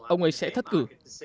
ông ấy sẽ thất cử